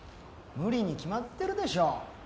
無理に決まってるでしょう